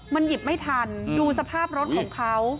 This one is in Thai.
มันหยิบไม่ทันดูสภาพรถของเขา